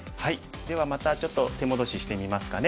ではまたちょっと手戻ししてみますかね。